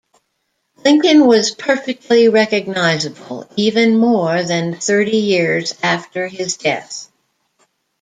Lincoln was perfectly recognizable, even more than thirty years after his death.